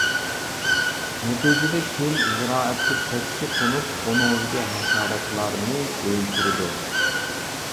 نەتىجىدە كۈل زىرائەتكە تەكشى قونۇپ، ئۇنىڭدىكى ھاشاراتلارنى ئۆلتۈرىدۇ.